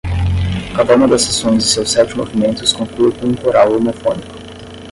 Cada uma das seções de seus sete movimentos conclui com um coral homofônico.